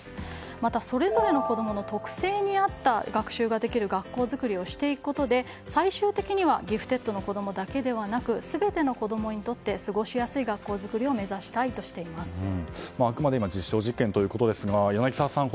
また、それぞれの子供の特性に合った学習ができる学校づくりをしていくことで最終的にはギフテッドの子供だけでなく全ての子供にとって過ごしやすい学校作りをあくまで実証実験ですが。